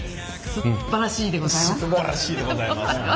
すっばらしいでございますね。